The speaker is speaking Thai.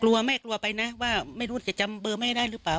แม่กลัวไปนะว่าไม่รู้จะจำเบอร์แม่ได้หรือเปล่า